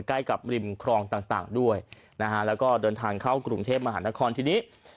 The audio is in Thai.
ใกล้กับริมครองต่างด้วยนะฮะแล้วก็เดินทางเข้ากรุงเทพมหานครทีนี้